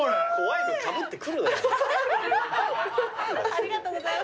ありがとうございます。